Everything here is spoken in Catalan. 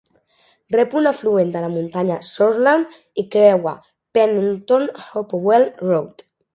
Rep un afluent de la muntanya Sourland i creua Pennington-Hopewell Road.